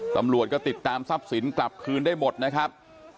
ตำรวจก็ติดตามทรัพย์สินกลับคืนได้หมดนะครับ